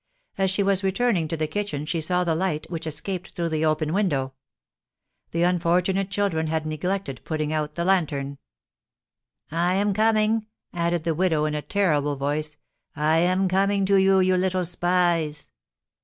As she was returning to the kitchen she saw the light, which escaped through the open window. The unfortunate children had neglected putting out the lantern. "I am coming," added the widow, in a terrible voice; "I am coming to you, you little spies!"